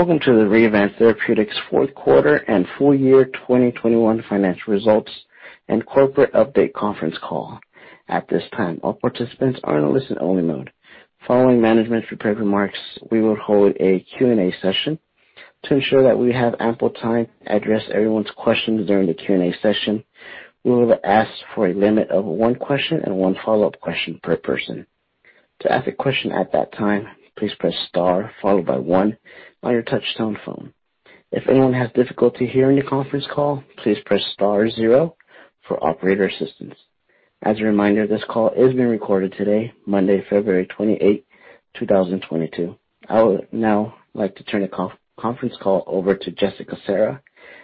Welcome to the Revance Therapeutics fourth quarter and full year 2021 financial results and corporate update conference call. At this time, all participants are in a listen-only mode. Following management's prepared remarks, we will hold a Q&A session. To ensure that we have ample time to address everyone's questions during the Q&A session, we will ask for a limit of one question and one follow-up question per person. To ask a question at that time, please press star followed by one on your touchtone phone. If anyone has difficulty hearing the conference call, please press star zero for operator assistance. As a reminder, this call is being recorded today, Monday, February 28, 2022. I would now like to turn the conference call over to Jessica Serra,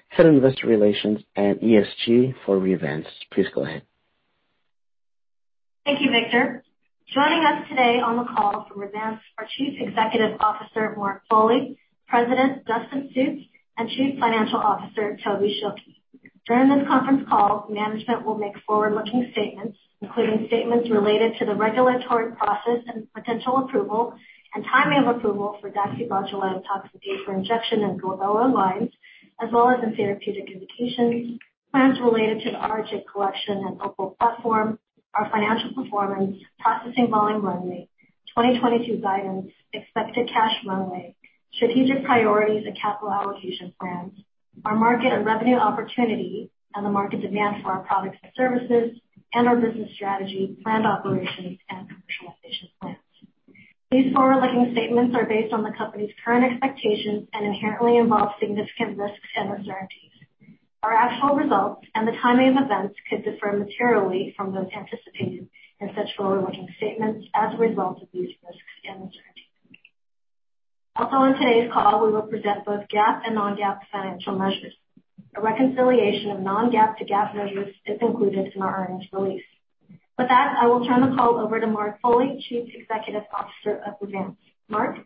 Head of Investor Relations and ESG for Revance. Please go ahead. Thank you, Victor. Joining us today on the call from Revance are Chief Executive Officer Mark Foley, President Dustin Sjuts, and Chief Financial Officer Toby Schilke. During this conference call, management will make forward-looking statements, including statements related to the regulatory process and potential approval and timing of approval for DaxibotulinumtoxinA for Injection in glabellar lines, as well as in therapeutic indications, plans related to the RHA Collection and OPUL platform, our financial performance, processing volume runway, 2022 guidance, expected cash runway, strategic priorities and capital allocation plans, our market and revenue opportunity, and the market demand for our products and services, and our business strategy, planned operations, and commercialization plans. These forward-looking statements are based on the company's current expectations and inherently involve significant risks and uncertainties. Our actual results and the timing of events could differ materially from those anticipated in such forward-looking statements as a result of these risks and uncertainties. Also on today's call, we will present both GAAP and non-GAAP financial measures. A reconciliation of non-GAAP to GAAP measures is included in our earnings release. With that, I will turn the call over to Mark Foley, Chief Executive Officer of Revance. Mark?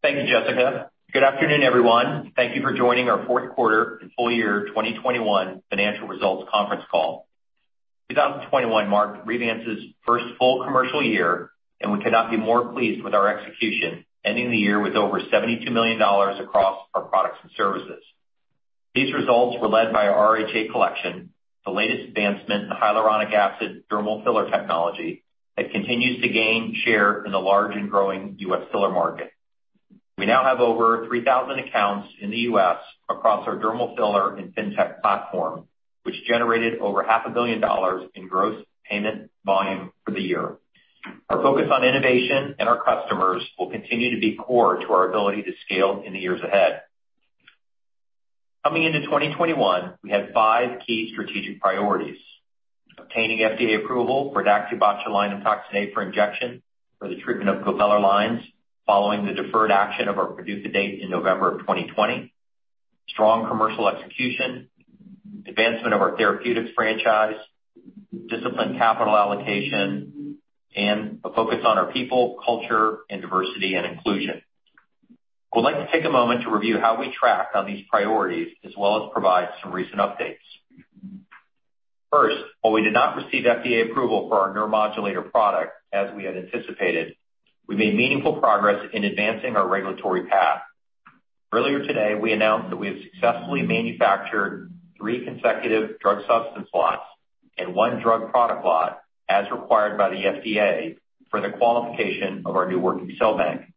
Thank you, Jessica. Good afternoon, everyone. Thank you for joining our fourth quarter and full year 2021 financial results conference call. 2021 marked Revance's first full commercial year, and we could not be more pleased with our execution, ending the year with over $72 million across our products and services. These results were led by our RHA Collection, the latest advancement in hyaluronic acid dermal filler technology that continues to gain share in the large and growing U.S. filler market. We now have over 3,000 accounts in the U.S. across our dermal filler and FinTech platform, which generated over $500 million in gross payment volume for the year. Our focus on innovation and our customers will continue to be core to our ability to scale in the years ahead. Coming into 2021, we had five key strategic priorities. Obtaining FDA approval for DaxibotulinumtoxinA for Injection for the treatment of glabellar lines following the deferred action of our PDUFA date in November 2020, strong commercial execution, advancement of our therapeutics franchise, disciplined capital allocation, and a focus on our people, culture, and diversity and inclusion. I would like to take a moment to review how we track on these priorities as well as provide some recent updates. First, while we did not receive FDA approval for our neuromodulator product as we had anticipated, we made meaningful progress in advancing our regulatory path. Earlier today, we announced that we have successfully manufactured three consecutive drug substance lots and one drug product lot as required by the FDA for the qualification of our new working cell bank.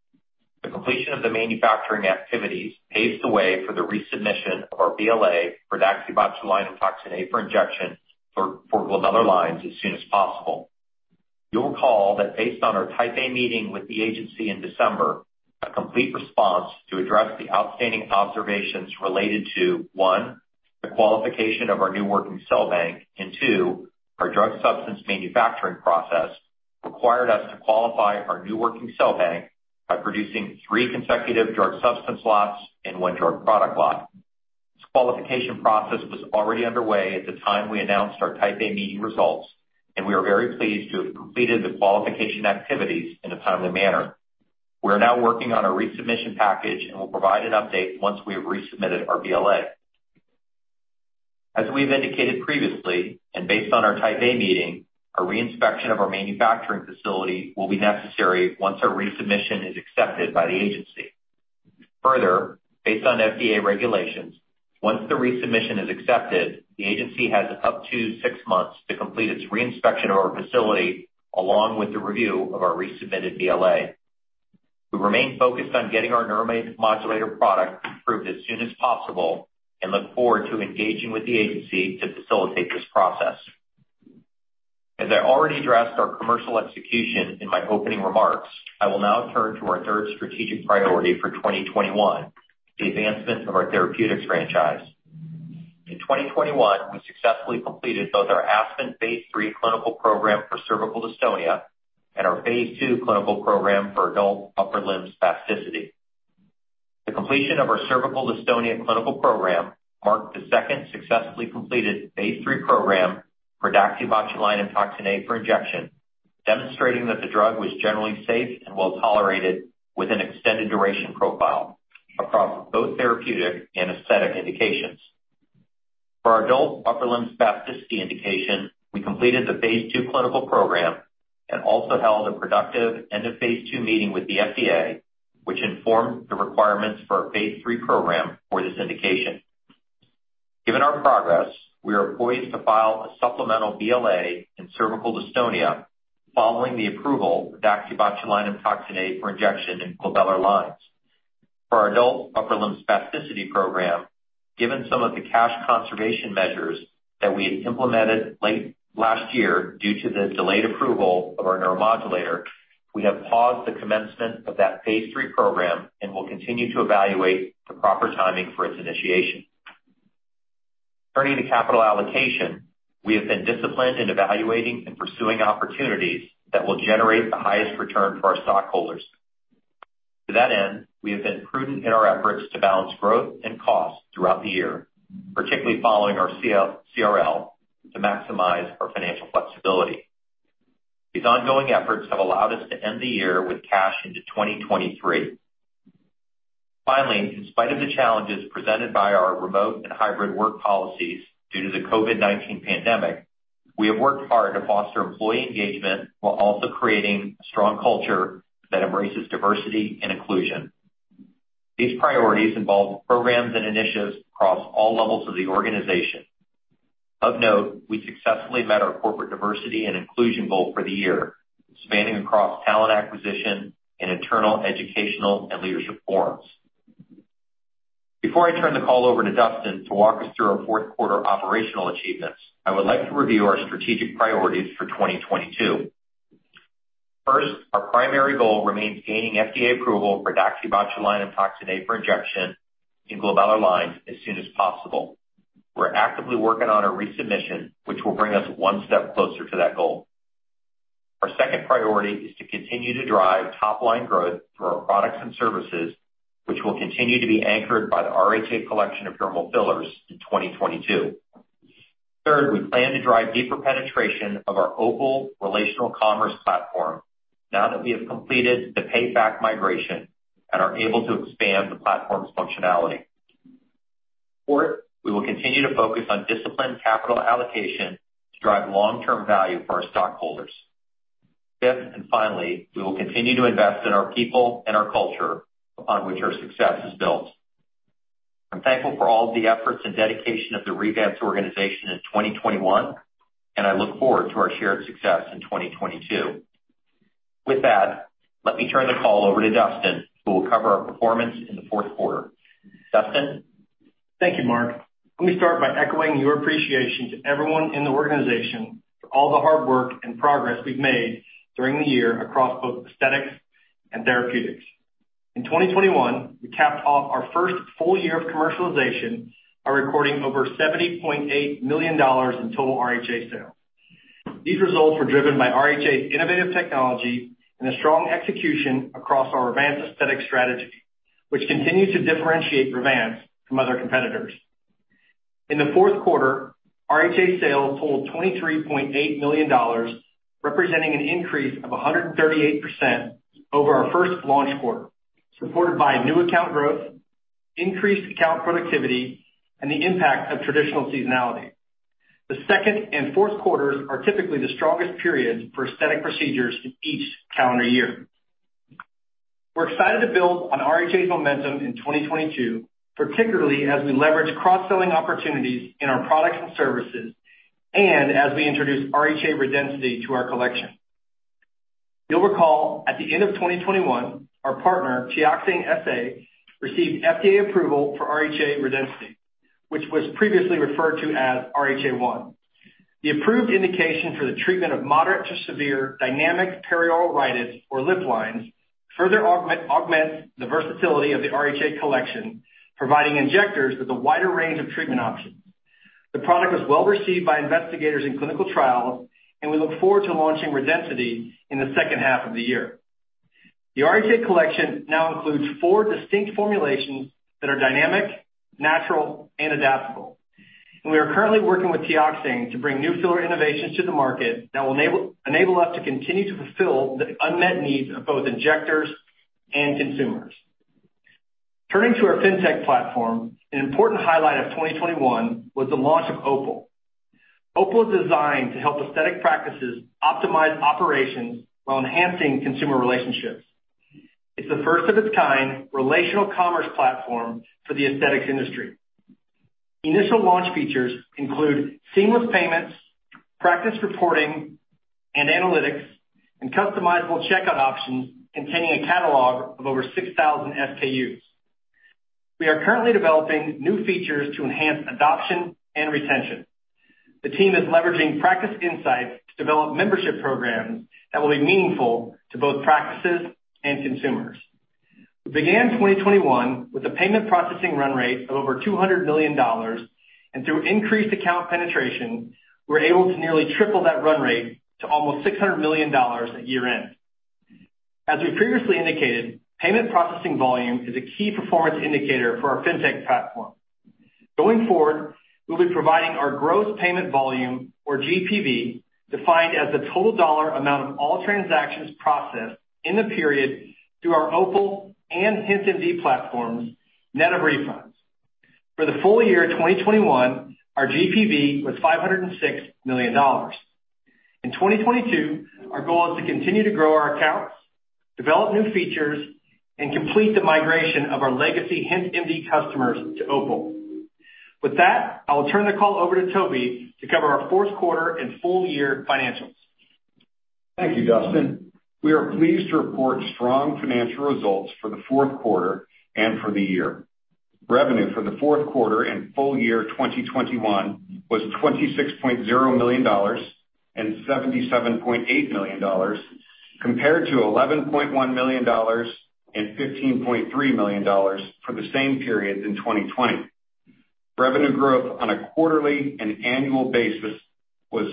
The completion of the manufacturing activities paves the way for the resubmission of our BLA for DaxibotulinumtoxinA for Injection for glabellar lines as soon as possible. You'll recall that based on our Type A meeting with the agency in December, a complete response to address the outstanding observations related to one, the qualification of our new working cell bank, and two, our drug substance manufacturing process required us to qualify our new working cell bank by producing three consecutive drug substance lots and one drug product lot. This qualification process was already underway at the time we announced our Type A meeting results, and we are very pleased to have completed the qualification activities in a timely manner. We are now working on a resubmission package and will provide an update once we have resubmitted our BLA. As we've indicated previously, and based on our Type A meeting, a re-inspection of our manufacturing facility will be necessary once our resubmission is accepted by the agency. Further, based on FDA regulations, once the resubmission is accepted, the agency has up to 6 months to complete its re-inspection of our facility along with the review of our resubmitted BLA. We remain focused on getting our neuromodulator product approved as soon as possible and look forward to engaging with the agency to facilitate this process. As I already addressed our commercial execution in my opening remarks, I will now turn to our third strategic priority for 2021, the advancement of our therapeutics franchise. In 2021, we successfully completed both our ASPEN phase III clinical program for cervical dystonia and our phase II clinical program for adult upper limb spasticity. The completion of our cervical dystonia clinical program marked the second successfully completed phase III program for DaxibotulinumtoxinA for Injection, demonstrating that the drug was generally safe and well-tolerated with an extended duration profile across both therapeutic and aesthetic indications. For our adult upper limb spasticity indication, we completed the phase II clinical program and also held a productive end-of-phase II meeting with the FDA, which informed the requirements for our phase III program for this indication. Given our progress, we are poised to file a supplemental BLA in cervical dystonia following the approval for DaxibotulinumtoxinA for Injection in glabellar lines. For our adult upper limb spasticity program, given some of the cash conservation measures that we had implemented late last year due to the delayed approval of our neuromodulator, we have paused the commencement of that phase III program and will continue to evaluate the proper timing for its initiation. Turning to capital allocation, we have been disciplined in evaluating and pursuing opportunities that will generate the highest return for our stockholders. To that end, we have been prudent in our efforts to balance growth and cost throughout the year, particularly following our CRL to maximize our financial flexibility. These ongoing efforts have allowed us to end the year with cash into 2023. Finally, in spite of the challenges presented by our remote and hybrid work policies due to the COVID-19 pandemic, we have worked hard to foster employee engagement while also creating a strong culture that embraces diversity and inclusion. These priorities involve programs and initiatives across all levels of the organization. Of note, we successfully met our corporate diversity and inclusion goal for the year, spanning across talent acquisition and internal educational and leadership forums. Before I turn the call over to Dustin to walk us through our fourth quarter operational achievements, I would like to review our strategic priorities for 2022. First, our primary goal remains gaining FDA approval for DaxibotulinumtoxinA for injection in glabellar lines as soon as possible. We're actively working on a resubmission which will bring us one step closer to that goal. Our second priority is to continue to drive top-line growth for our products and services, which will continue to be anchored by the RHA Collection of dermal fillers in 2022. Third, we plan to drive deeper penetration of our OPUL Relational Commerce platform now that we have completed the HintMD migration and are able to expand the platform's functionality. Fourth, we will continue to focus on disciplined capital allocation to drive long-term value for our stockholders. Fifth, and finally, we will continue to invest in our people and our culture upon which our success is built. I'm thankful for all the efforts and dedication of the Revance organization in 2021, and I look forward to our shared success in 2022. With that, let me turn the call over to Dustin, who will cover our performance in the fourth quarter. Dustin? Thank you, Mark. Let me start by echoing your appreciation to everyone in the organization for all the hard work and progress we've made during the year across both aesthetics and therapeutics. In 2021, we capped off our first full year of commercialization by recording over $70.8 million in total RHA sales. These results were driven by RHA's innovative technology and a strong execution across our Revance aesthetic strategy, which continues to differentiate Revance from other competitors. In the fourth quarter, RHA sales totaled $23.8 million, representing an increase of 138% over our first launch quarter, supported by new account growth, increased account productivity, and the impact of traditional seasonality. The second and fourth quarters are typically the strongest periods for aesthetic procedures in each calendar year. We're excited to build on RHA's momentum in 2022, particularly as we leverage cross-selling opportunities in our products and services, and as we introduce RHA Redensity to our collection. You'll recall, at the end of 2021, our partner, TEOXANE SA, received FDA approval for RHA Redensity, which was previously referred to as RHA 1. The approved indication for the treatment of moderate to severe dynamic perioral rhytids or lip lines further augment the versatility of the RHA collection, providing injectors with a wider range of treatment options. The product was well received by investigators in clinical trials, and we look forward to launching Redensity in the second half of the year. The RHA collection now includes four distinct formulations that are dynamic, natural, and adaptable. We are currently working with TEOXANE to bring new filler innovations to the market that will enable us to continue to fulfill the unmet needs of both injectors and consumers. Turning to our fintech platform, an important highlight of 2021 was the launch of OPUL. OPUL is designed to help aesthetic practices optimize operations while enhancing consumer relationships. It's a first of its kind relational commerce platform for the aesthetics industry. Initial launch features include seamless payments, practice reporting and analytics, and customizable checkout options containing a catalog of over 6,000 SKUs. We are currently developing new features to enhance adoption and retention. The team is leveraging practice insights to develop membership programs that will be meaningful to both practices and consumers. We began 2021 with a payment processing run rate of over $200 million, and through increased account penetration, we're able to nearly triple that run rate to almost $600 million at year-end. As we previously indicated, payment processing volume is a key performance indicator for our fintech platform. Going forward, we'll be providing our gross payment volume or GPV, defined as the total dollar amount of all transactions processed in the period through our OPUL and HintMD platforms net of refunds. For the full year 2021, our GPV was $506 million. In 2022, our goal is to continue to grow our accounts, develop new features, and complete the migration of our legacy HintMD customers to OPUL. With that, I'll turn the call over to Toby to cover our fourth quarter and full year financials. Thank you, Dustin. We are pleased to report strong financial results for the fourth quarter and for the year. Revenue for the fourth quarter and full year 2021 was $26.0 million and $77.8 million compared to $11.1 million and $15.3 million for the same period in 2020. Revenue growth on a quarterly and annual basis was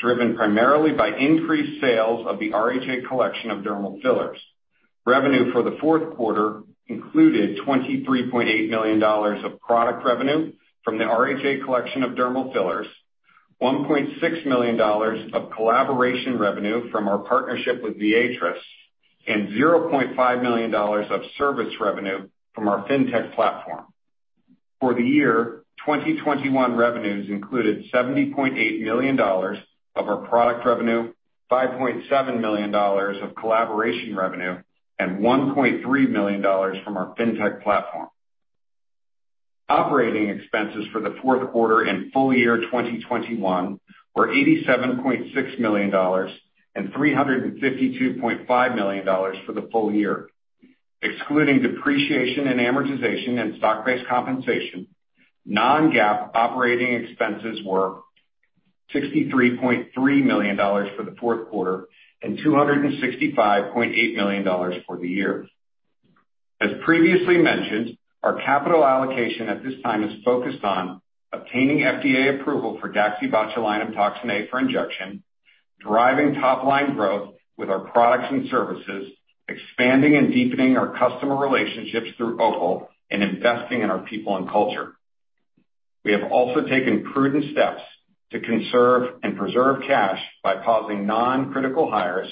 driven primarily by increased sales of the RHA Collection of dermal fillers. Revenue for the fourth quarter included $23.8 million of product revenue from the RHA Collection of dermal fillers, $1.6 million of collaboration revenue from our partnership with Viatris and $0.5 million of service revenue from our fintech platform. For the year 2021 revenues included $70.8 million of our product revenue, $5.7 million of collaboration revenue, and $1.3 million from our Fintech platform. Operating expenses for the fourth quarter and full year 2021 were $87.6 million and $352.5 million for the full year. Excluding depreciation and amortization and stock-based compensation, non-GAAP operating expenses were $63.3 million for the fourth quarter and $265.8 million for the year. As previously mentioned, our capital allocation at this time is focused on obtaining FDA approval for DaxibotulinumtoxinA for Injection, driving top line growth with our products and services, expanding and deepening our customer relationships through OPUL, and investing in our people and culture. We have also taken prudent steps to conserve and preserve cash by pausing non-critical hires,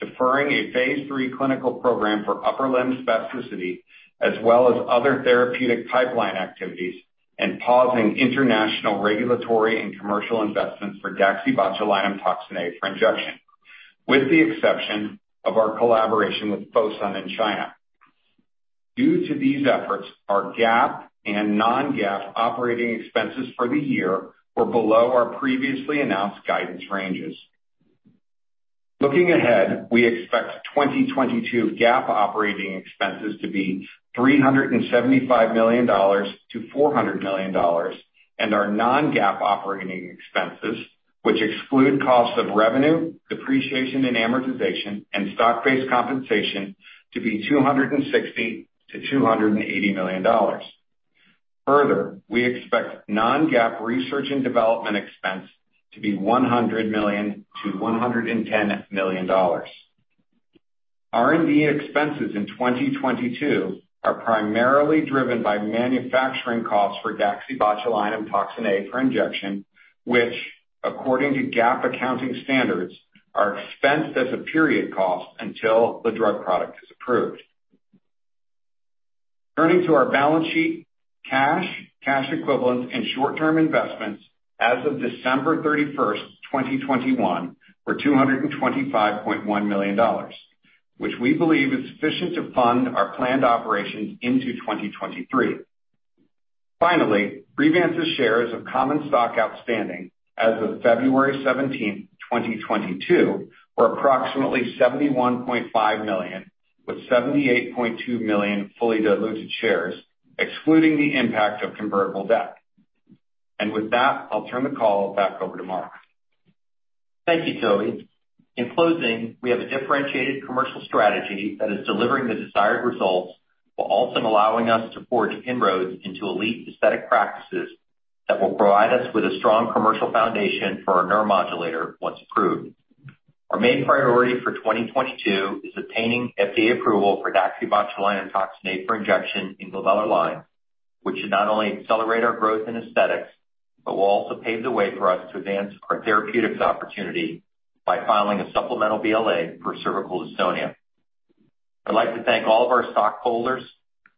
deferring a phase III clinical program for upper limb spasticity, as well as other therapeutic pipeline activities, and pausing international regulatory and commercial investments for DaxibotulinumtoxinA for Injection, with the exception of our collaboration with Fosun in China. Due to these efforts, our GAAP and non-GAAP operating expenses for the year were below our previously announced guidance ranges. Looking ahead, we expect 2022 GAAP operating expenses to be $375 million-$400 million and our non-GAAP operating expenses, which exclude costs of revenue, depreciation and amortization, and stock-based compensation to be $260 million-$280 million. Further, we expect non-GAAP research and development expense to be $100 million-$110 million. R&D expenses in 2022 are primarily driven by manufacturing costs for DaxibotulinumtoxinA for Injection, which according to GAAP accounting standards, are expensed as a period cost until the drug product is approved. Turning to our balance sheet, cash equivalents, and short-term investments as of December 31, 2021, were $225.1 million, which we believe is sufficient to fund our planned operations into 2023. Finally, Revance's shares of common stock outstanding as of February 17, 2022, were approximately 71.5 million, with 78.2 million fully diluted shares, excluding the impact of convertible debt. With that, I'll turn the call back over to Mark. Thank you, Toby. In closing, we have a differentiated commercial strategy that is delivering the desired results while also allowing us to forge inroads into elite aesthetic practices that will provide us with a strong commercial foundation for our neuromodulator once approved. Our main priority for 2022 is obtaining FDA approval for DaxibotulinumtoxinA for Injection in glabellar lines, which should not only accelerate our gr0wth in aesthetics, but will also pave the way for us to advance our therapeutics opportunity by filing a supplemental BLA for cervical dystonia. I'd like to thank all of our stockholders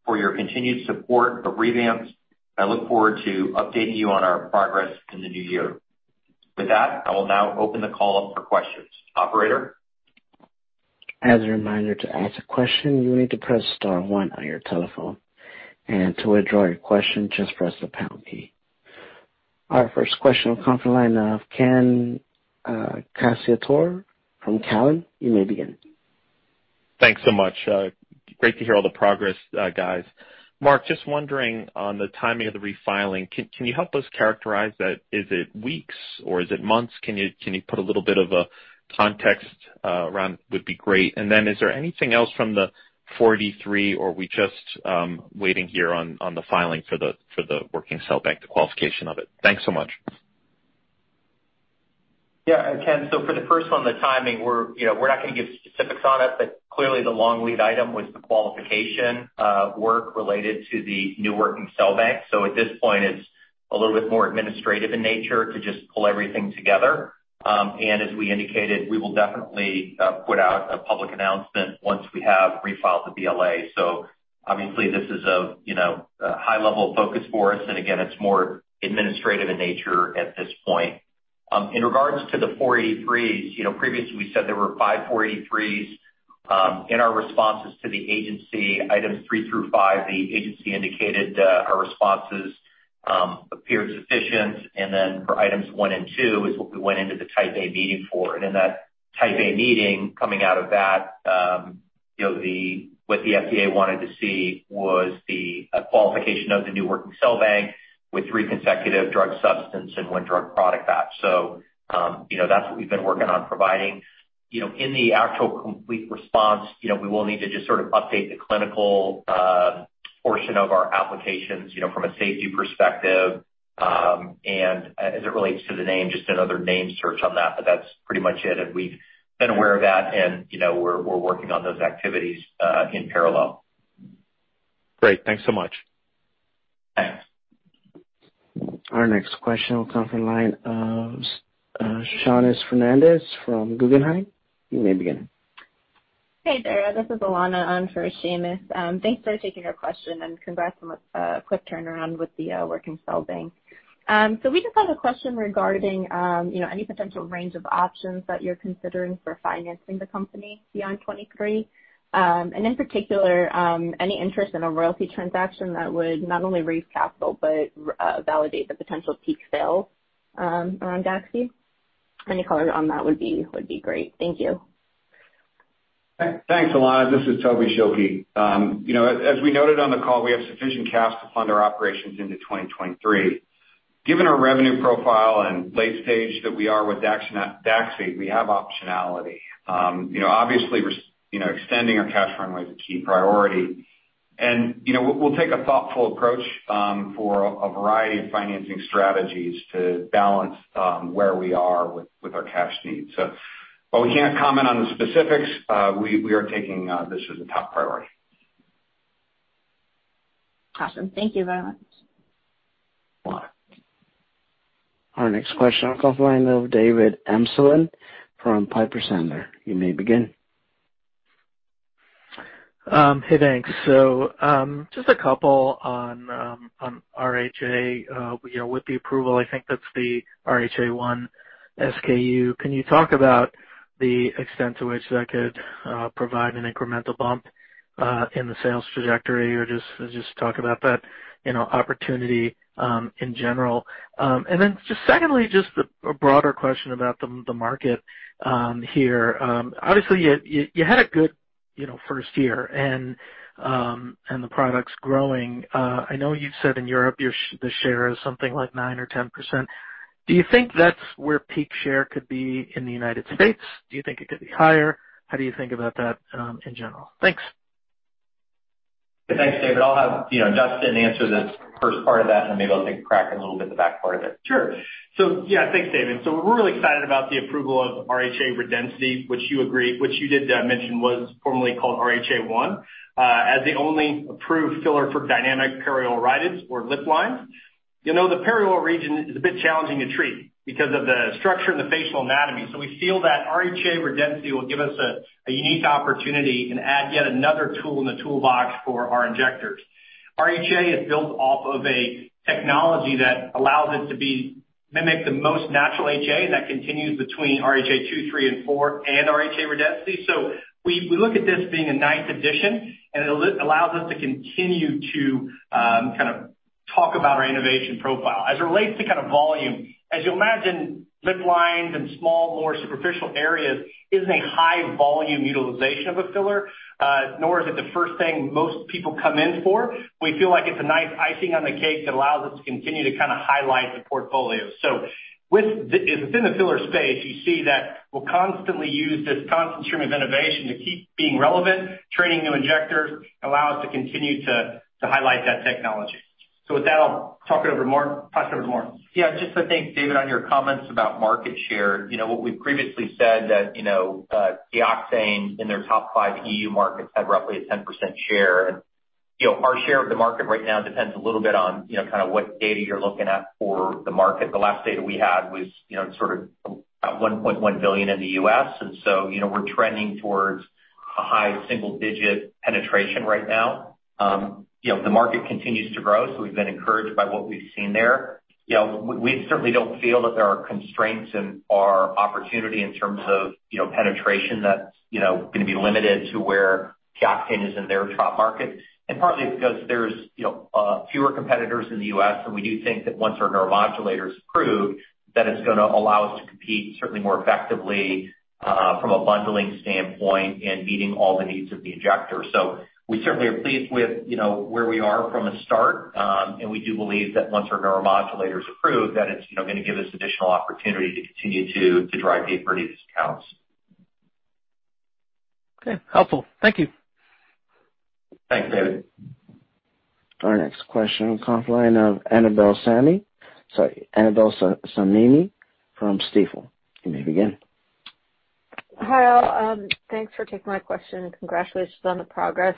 for your continued support of Revance. I look forward to updating you on our progress in the new year. With that, I will now open the call up for questions. Operator? As a reminder, to ask a question, you need to press star one on your telephone, and to withdraw your question, just press the pound key. Our first question will come from the line of Ken Cacciatore from Cowen. You may begin. Thanks so much. Great to hear all the progress, guys. Mark, just wondering on the timing of the refiling, can you help us characterize that? Is it weeks or is it months? Can you put a little bit of a context around? Would be great. Then is there anything else from the 483 or are we just waiting here on the filing for the working cell bank, the qualification of it? Thanks so much. Yeah, Ken. For the first one, the timing, we're you know not gonna give specifics on it, but clearly the long lead item was the qualification work related to the new working cell bank. At this point it's a little bit more administrative in nature to just pull everything together. As we indicated, we will definitely put out a public announcement once we have refiled the BLA. Obviously this is a you know a high level of focus for us and again, it's more administrative in nature at this point. In regards to the 483s, you know, previously we said there were 5 483s in our responses to the agency, items 3 through 5. The agency indicated our responses appeared sufficient. For items one and two is what we went into the Type A meeting for. In that Type A meeting coming out of that, you know, what the FDA wanted to see was the qualification of the new working cell bank with three consecutive drug substance and one drug product batch. You know, that's what we've been working on providing. You know, in the actual complete response, you know, we will need to just sort of update the clinical portion of our applications, you know, from a safety perspective. As it relates to the name, just another name search on that. That's pretty much it, and we've been aware of that and, you know, we're working on those activities in parallel. Great. Thanks so much. Thanks. Our next question will come from the line of Seamus Fernandez from Guggenheim. You may begin. Hey there, this is Alana on for Seamus. Thanks for taking our question and congrats on a quick turnaround with the working cell bank. So we just have a question regarding, you know, any potential range of options that you're considering for financing the company beyond 2023. And in particular, any interest in a royalty transaction that would not only raise capital, but validate the potential peak sales around DAXI? Any color on that would be great. Thank you. Thanks, Alana. This is Tobin Schilke. You know, as we noted on the call, we have sufficient cash to fund our operations into 2023. Given our revenue profile and late stage that we are with DAXI, we have optionality. You know, obviously we're you know extending our cash runway is a key priority. You know, we'll take a thoughtful approach for a variety of financing strategies to balance where we are with our cash needs. While we can't comment on the specifics, we are taking this as a top priority. Awesome. Thank you very much. You're welcome. Our next question will come from the line of David Risinger from Piper Sandler. You may begin. Hey, thanks. Just a couple on RHA. With the approval, I think that's the RHA 1 SKU. Can you talk about the extent to which that could provide an incremental bump in the sales trajectory? Or just talk about that, you know, opportunity in general. Just secondly, just a broader question about the market here. Obviously you had a good, you know, first year and the product's growing. I know you've said in Europe your share is something like 9 or 10%. Do you think that's where peak share could be in the United States? Do you think it could be higher? How do you think about that in general? Thanks. Thanks, David. I'll have, you know, Dustin answer the first part of that, and maybe I'll take a crack at a little bit of the back part of it. Sure. Yeah. Thanks, David. We're really excited about the approval of RHA Redensity, which you did mention was formerly called RHA 1, as the only approved filler for dynamic perioral rhytids or lip lines. You know, the perioral region is a bit challenging to treat because of the structure and the facial anatomy. We feel that RHA Redensity will give us a unique opportunity and add yet another tool in the toolbox for our injectors. RHA is built off of a technology that allows it to be mimic the most natural HA, and that continues between RHA 2, 3, and 4 and RHA Redensity. We look at this being a nice addition, and it allows us to cntinue to kind of talk about our innovation profile. As it relates to kind of volume, as you'll imagine, lip lines and small more superficial areas isn't a high volume utilization of a filler, nor is it the first thing most people come in for. We feel like it's a nice icing on the cake that allows us to continue to kind of highlight the portfolio. Within the filler space, you see that we'll constantly use this constant stream of innovation to keep being relevant, training new injectors, allow us to continue to highlight that technology. With that, I'll toss it over to Mark. Yeah, just I think, David, on your comments about market share, you know what we've previously said that, you know, TEOXANE in their top five EU markets had roughly a 10% share. You know, our share of the market right now depends a little bit on, you know, kind of what data you're looking at for the market. The last data we had was, you know, sort of at $1.1 billion in the U.S. and so, you know, we're trending towards a high single-digit penetration right now. You know, the market continues to grow, so we've been encouraged by what we've seen there. You know, we certainly don't feel that there are constraints in our opportunity in terms of, you know, penetration that's, you know, gonna be limited to where TEOXANE is in their top market. Partly it's because there's, you know, fewer competitors in the U.S., and we do think that once our neuromodulator is approved, that it's gonna allow us to compete certainly more effectively, from a bundling standpoint and meeting all the needs of the injector. We certainly are pleased with, you know, where we are from a start, and we do believe that once our neuromodulator is approved, that it's, you know, gonna give us additional opportunity to continue to drive deeper into these accounts. Okay. Helpful. Thank you. Thanks, David. Our next question will come from the line of Annabel Samimy from Stifel. You may begin. Hi all. Thanks for taking my question and congratulations on the progress.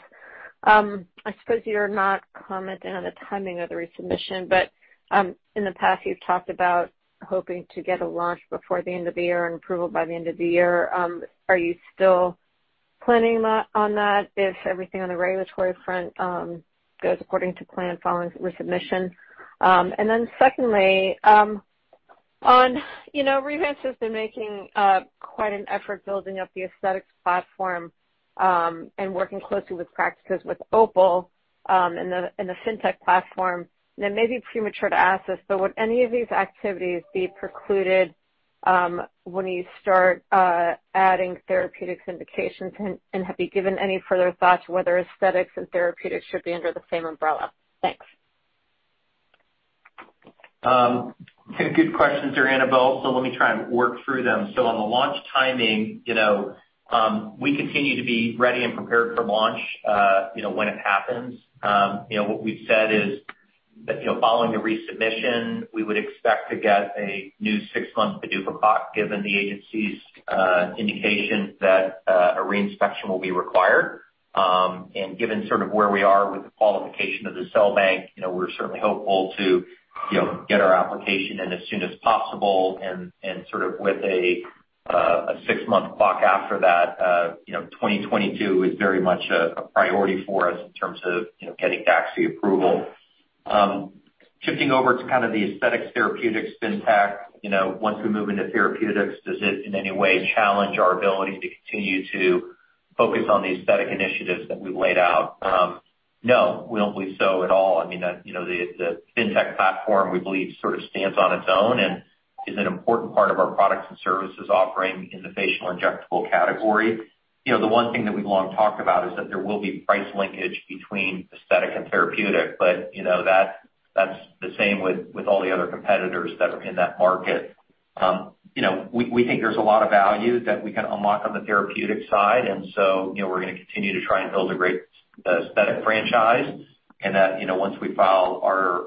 I suppose you're not commenting on the timing of the resubmission, but in the past you've talked about hoping to get a launch before the end of the year and approval by the end of the year. Are you still planning on that if everything on the regulatory front goes according to plan following resubmission? Secondly, on, you know, Revance has been making quite an effort building up the aesthetics platform, and working closely with practices with OPUL, and the FinTech platform. It may be premature to ask this, but would any of these activities be precluded when you start adding therapeutic indications? Have you given any further thought to whether aesthetics and therapeutics should be under the same umbrella? Thanks. Two good questions there, Annabel. Let me try and work through them. On the launch timing, you know, we continue to be ready and prepared for launch, you know, when it happens. You know, what we've said is that, you know, following the resubmission, we would expect to get a new six-month PDUFA clock given the agency's indication that a re-inspection will be required. And given sort of where we are with the qualification of the cell bank, you know, we're certainly hopeful to, you know, get our application in as soon as possible and sort of with a six-month clock after that, you know, 2022 is very much a priority for us in terms of, you know, getting DAXI approval. Shifting over to kind of the aesthetics therapeutics FinTech, you know, once we move into therapeutics, does it in any way challenge our ability to continue to focus on the aesthetic initiatives that we've laid out? No, we don't believe so at all. I mean, you know, the FinTech platform, we believe sort of stands on its own and is an important part of our products and services offering in the facial injectable category. You know, the one thing that we've long talked about is that there will be price linkage between aesthetic and therapeutic, but, you know, that's the same with all the other competitors that are in that market. You know, we think there's a lot of value that we can unlock on the therapeutic side. You know, we're gonna continue to try and build a great aesthetic franchise and that, you know, once we file our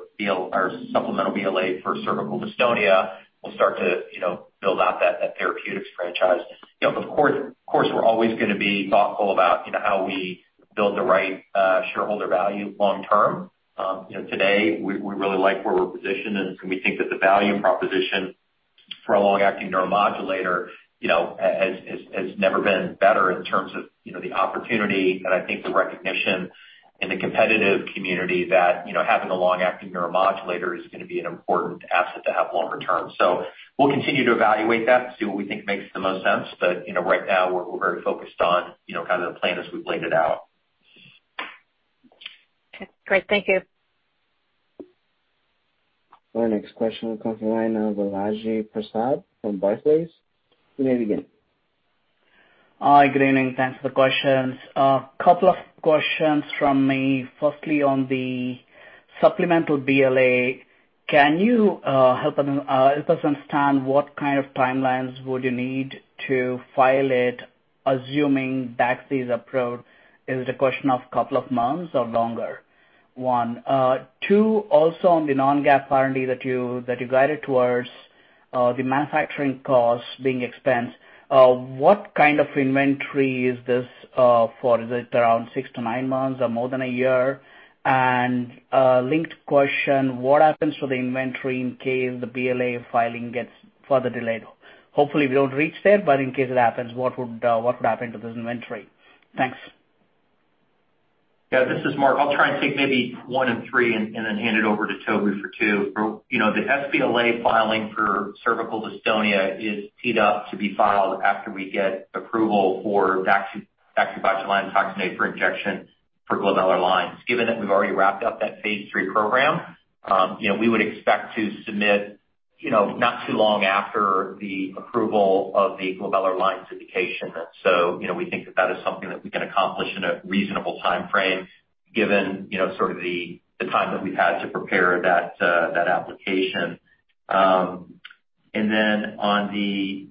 supplemental BLA for cervical dystonia, we'll start to, you know, build out that therapeutics franchise. You know, of course, we're always gonna be thoughtful about, you know, how we build the right shareholder value long-erm. You know, today we really like where we're positioned and we think that the value proposition for a long-acting neuromodulator, you know, has never been better in terms of, you know, the opportunity and I think the recognition in the competitive community that, you know, having a long-acting neuromodulator is gonna be an important asset to have longer term. We'll continue to evaluate that to see what we think makes the most sense. you know, right now we're very focused on, you know, kind of the plan as we've laid it out. Okay. Great. Thank you. Our next question comes from the line of Balaji Prasad from Barclays. You may begin. Hi. Good evening. Thanks for the questions. Couple of questions from me. Firstly, on the supplemental BLA, can you help us understand what kind of timelines would you need to file it assuming DAXI is approved? Is it a question of couple of months or longer? One. Two, also on the non-GAAP R&D that you guided towards, the manufacturing costs being expensed, what kind of inventory is this for? Is it around six to nine months or more than a year? Linked question, what happens to the inventory in case the BLA filing gets further delayed? Hopefully we don't reach there, but in case it happens, what would happen to this inventory? Thanks. This is Mark. I'll try and take maybe one and three and then hand it over to Toby for two. The sBLA filing for cervical dystonia is teed up to be filed after we get approval for DaxibotulinumtoxinA for Injection for glabellar lines. Given that we've already wrapped up that phase III program, we would expect to submit not too long after the approval of the glabellar lines indication. We think that that is something that we can accomplish in a reasonable timeframe given sort of the time that we've had to prepare that application. On the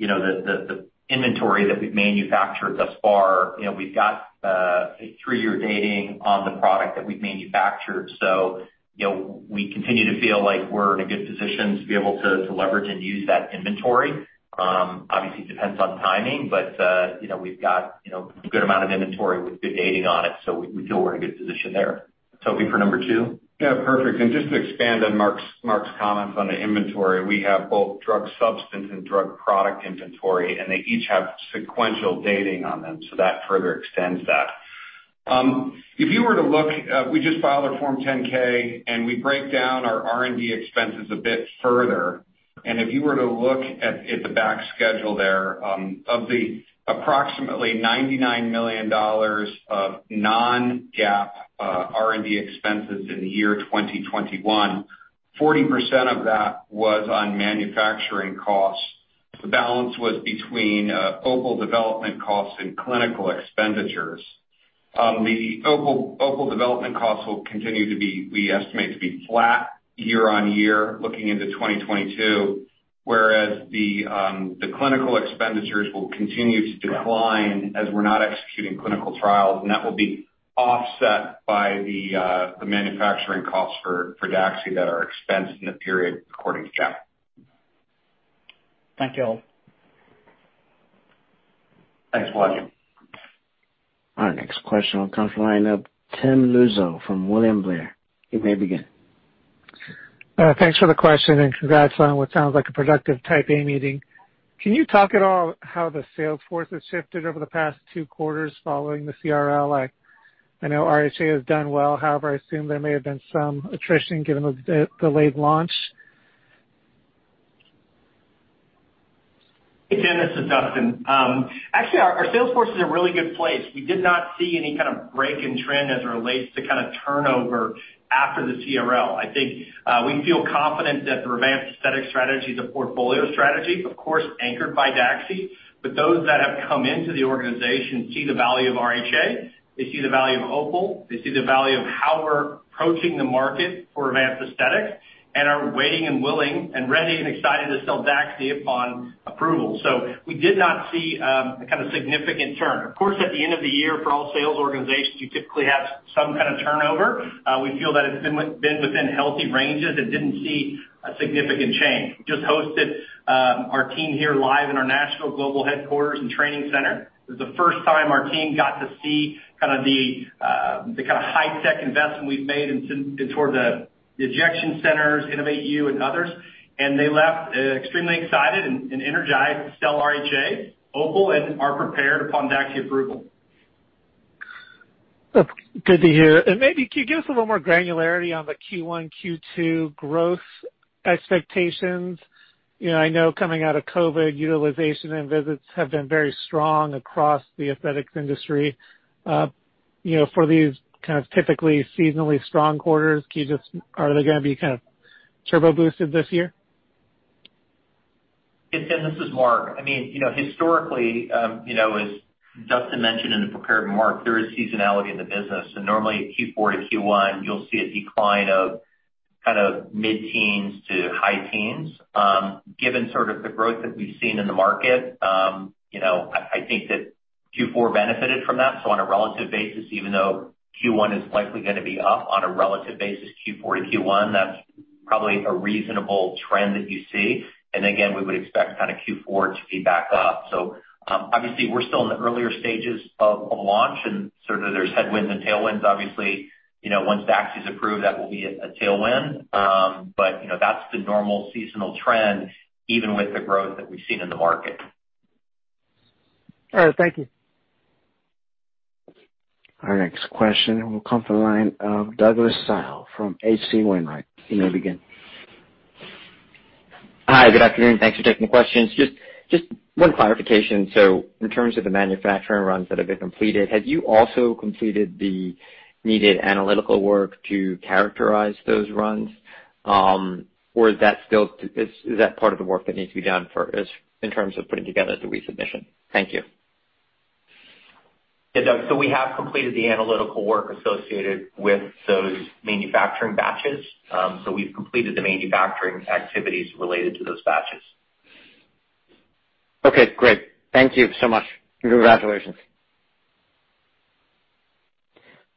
inventory that we've manufactured thus far, we've got a three-year dating on the product that we've manufactured. You know, we continue to feel like we're in a good position to be able to leverage and use that inventory. Obviously depends on timing, but you know, we've got, you know, a good amount of inventory with good dating on it, so we feel we're in a good position there. Toby for number two. Yeah, perfect. Just to expand on Mark's comments on the inventory, we have both drug substance and drug product inventory, and they each have sequential dating on them, so that further extends that. If you were to look, we just filed our Form 10-K and we break down our R&D expenses a bit further. If you were to look at the back schedule there, of the approximately $99 million of non-GAAP R&D expenses in the year 2021, 40% of that was on manufacturing costs. The balance was between OPUL development costs and clinical expenditures. The OPUL development costs will continue, we estimate, to be flat year-over-year looking into 2022, whereas the clinical expenditures will continue to decline. As we're not executing clinical trials, and that will be offset by the manufacturing costs for DAXI that are expensed in the period according to GAAP. Thank you all. Thanks, Balaji Prasad. Our next question will come from the line of Tim Lugo from William Blair. You may begin. Thanks for the question and congrats on what sounds like a productive Type A meeting. Can you talk at all how the sales force has shifted over the past 2 quarters following the CRL? I know RHA has done well. However, I assume there may have been some attrition given the delayed launch. Hey, Tim, this is Dustin. Actually, our sales force is in a really good place. We did not see any kind of break in trend as it relates to kinda turnover after the CRL. I think we feel confident that the Revance aesthetic strategy is a portfolio strategy, of course, anchored by DAXI. Those that have come into the organization see the value of RHA, they see the value of OPUL, they see the value of how we're approaching the market for advanced aesthetics and are waiting and willing and ready and excited to sell DAXI upon approval. We did not see a kinda significant turn. Of course, at the end of the year for all sales organizations, you typically have some kind of turnover. We feel that it's been within healthy ranges and didn't see a significant change. We just hosted our team here live in our national global headquarters and training center. It was the first time our team got to see kinda the kinda high tech investment we've made in some toward the injection centers, RevanceU, and others. They left extremely excited and energized to sell RHA, OPUL, and are prepared upon DAXI approval. That's good to hear. Maybe can you give us a little more granularity on the Q1, Q2 growth expectations? You know, I know coming out of COVID, utilization and visits have been very strong across the aesthetics industry. You know, for these kind of typically seasonally strong quarters, are they gonna be kind of turbo boosted this year? Yeah, Tim, this is Mark. I mean, you know, historically, you know, as Dustin mentioned in the prepared remarks, there is seasonality in the business. Normally Q4 to Q1, you'll see a decline of kind of mid-teens to high teens. Given sort of the growth that we've seen in the market, you know, I think that Q4 benefited from that. So on a relative basis, even though Q1 is likely gonna be up on a relative basis, Q4 to Q1, that's probably a reasonable trend that you see. Again, we would expect kinda Q4 to be back up. Obviously we're still in the earlier stages of launch and sort of there's headwinds and tailwinds. Obviously, you know, once DAXI's approved, that will be a tailwind. You know, that's the normal seasonal trend, even with the growth that we've seen in the market. All right. Thank you. Our next question will come from the line of Douglas Tsao from H.C. Wainwright. You may begin. Hi. Good afternoon. Thanks for taking the questions. Just one clarification. So in terms of the manufacturing runs that have been completed, have you also completed the needed analytical work to characterize those runs? Or is that still part of the work that needs to be done in terms of putting together the resubmission? Thank you. Yeah, Doug. We have completed the analytical work associated with those manufacturing batches. We've completed the manufacturing activities related to those batches. Okay, great. Thank you so much. You're welcome. Congratulations.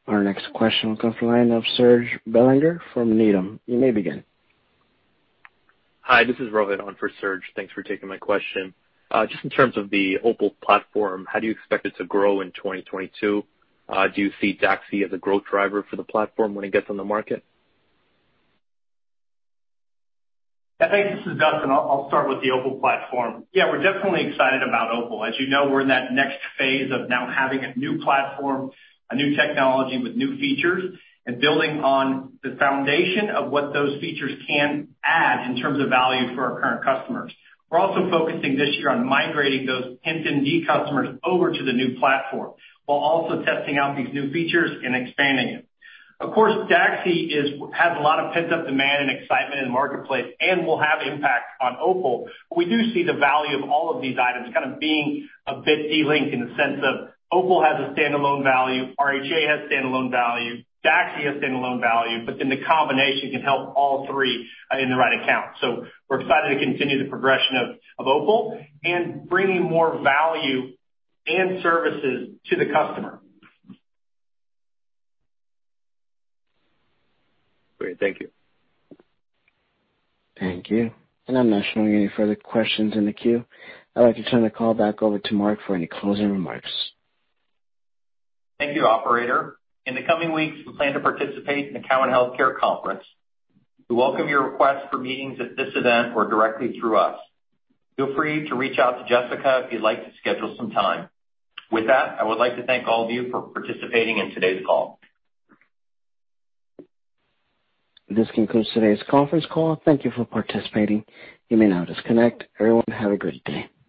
Our next question will come from the line of Serge Belanger from Needham. You may begin. Hi, this is Ravi for Serge. Thanks for taking my question. Just in terms of the OPUL platform, how do you expect it to grow in 2022? Do you see DAXI as a growth driver for the platform when it gets on the market? Yeah, thanks. This is Dustin. I'll start with the OPUL platform. Yeah, we're definitely excited about OPUL. As you know, we're in that next phase of now having a new platform, a new technology with new features, and building on the foundation of what those features can add in terms of value for our current customers. We're also focusing this year on migrating those HintMD customers over to the new platform while also testing out these new features and expanding it. Of course, DAXI has a lot of pent-up demand and excitement in the marketplace and will have impact on OPUL. We do see the value of all of these items kind of being a bit delinked in the sense of OPUL has a standalone value, RHA has standalone value, DAXI has standalone value, but then the combination can help all three, in the right account. We're excited to continue the progression of OPUL and bringing more value and services to the customer. Great. Thank you. Thank you. I'm not showing any further questions in the queue. I'd like to turn the call back over to Mark for any closing remarks. Thank you, operator. In the coming weeks, we plan to participate in the Cowen Healthcare Conference. We welcome your request for meetings at this event or directly through us. Feel free to reach out to Jessica if you'd like to schedule some time. With that, I would like to thank all of you for participating in today's call. This concludes today's conference call. Thank you for participating. You may now disconnect. Everyone, have a great day.